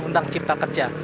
undang cipta kerja